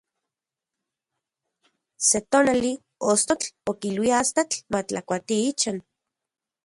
Se tonali, ostotl okilui astatl matlakuati ichan.